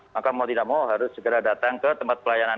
maka mau tidak mau harus segera datang ke tempat pelayanan